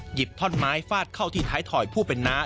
หยิบท่อนไม้ฟาดเข้าที่ท้ายถอยผู้เป็นน้า